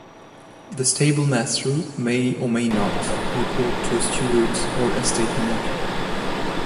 The stable master may or may not report to a steward or estate manager.